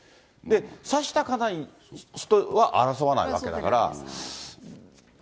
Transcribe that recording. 刺した方には争わないわけだから。